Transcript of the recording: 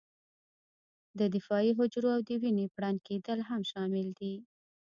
د دفاعي حجرو او د وینې پړن کېدل هم شامل دي.